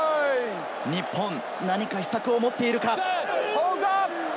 日本、何か秘策も持っているか。